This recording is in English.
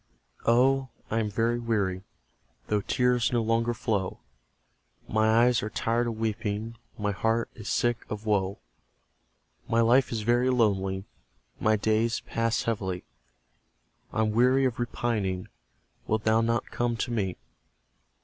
Oh, I am very weary, Though tears no longer flow; My eyes are tired of weeping, My heart is sick of woe; My life is very lonely My days pass heavily, I'm weary of repining; Wilt thou not come to me?